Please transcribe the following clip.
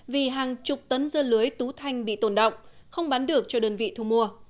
vì hàng chục tấn dưa lưới tú thanh bị tồn động không bán được cho đơn vị thu mua